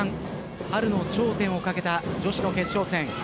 春の頂点をかけた女子の決勝戦。